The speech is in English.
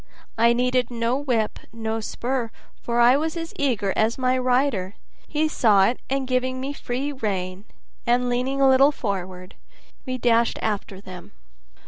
I needed no whip, no spur, for I was as eager as my rider; he saw it, and giving me a free rein, and leaning a little forward, we dashed after them.